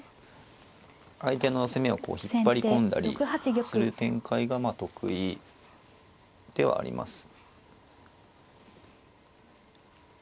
相手の攻めを引っ張り込んだりする展開が得意ではあります。